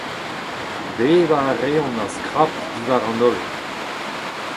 Bevañ a reont a-skrap diwar an holl.